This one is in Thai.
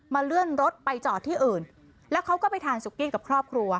เลื่อนรถไปจอดที่อื่นแล้วเขาก็ไปทานสุกี้กับครอบครัว